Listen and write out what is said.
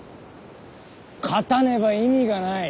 勝たねば意味がない。